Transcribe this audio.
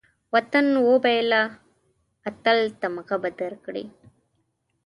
وطن وبېله، اتل تمغه به درکړي